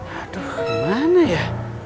aduh mana ya